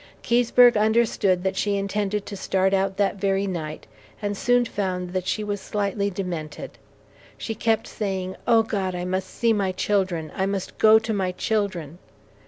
Keseberg understood that she intended to start out that very night, and soon found that she was slightly demented. She kept saying, "O God! I must see my children. I must go to my children!"